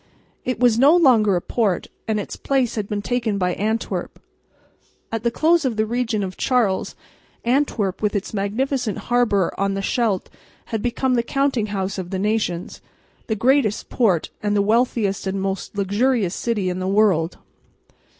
It was no longer a port, and its place had been taken by Antwerp. At the close of the reign of Charles, Antwerp, with its magnificent harbour on the Scheldt, had become the "counting house" of the nations, the greatest port and the wealthiest and most luxurious city in the world.